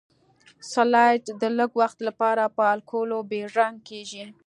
سلایډ د لږ وخت لپاره په الکولو بې رنګ کیږي.